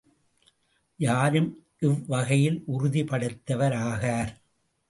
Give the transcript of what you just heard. யாரும் இவ்வகையில் உறுதி படைத்தவர் ஆகார்.